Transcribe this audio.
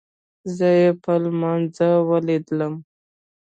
زه يې په لمانځه وليدم.